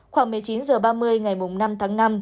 khoảng một mươi chín h ba mươi ngày năm tháng năm